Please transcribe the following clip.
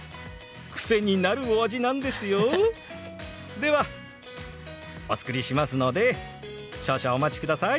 ではお作りしますので少々お待ちください。